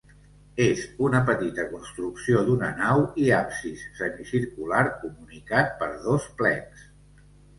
És una petita construcció d'una nau i absis semicircular comunicat per dos plecs.